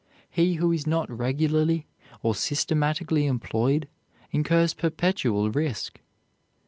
He who is not regularly, or systematically employed incurs perpetual risk.